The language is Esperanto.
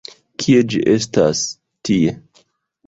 Kie ĝi estas... tie!